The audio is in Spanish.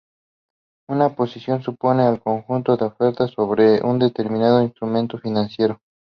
Una posición supone el conjunto de ofertas sobre un determinado instrumento financiero.